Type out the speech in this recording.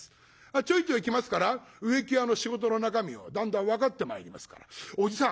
ちょいちょい来ますから植木屋の仕事の中身をだんだん分かってまいりますから「おじさん